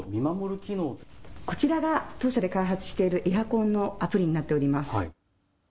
こちらが当社で開発しているエアコンのアプリになります。